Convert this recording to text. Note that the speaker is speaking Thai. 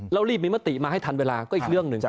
แล้วรีบมีมติมาให้ทันเวลาก็อีกเรื่องหนึ่ง